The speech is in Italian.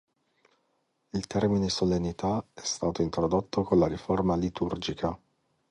Il termine solennità è stato introdotto con la riforma liturgica.